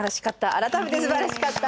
改めてすばらしかった。